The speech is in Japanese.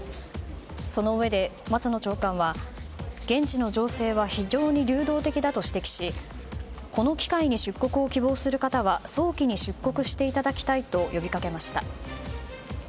そのうえで松野長官は現地の情勢は非常に流動的だと指摘しこの機会に出国を希望する方は早期に出国していただきたいと呼びかけました。